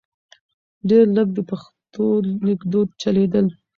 ډېر لږ د پښتو لیکدود چلیدل .